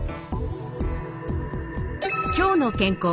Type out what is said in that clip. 「きょうの健康」